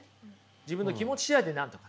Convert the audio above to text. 自分の気持ち次第でなんとかなる。